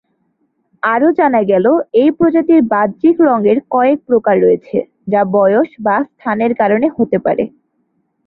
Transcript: আরও জানা গেল, এ প্রজাতির বাহ্যিক রঙের কয়েক প্রকার রয়েছে, যা বয়স বা স্থানের কারণে হতে পারে।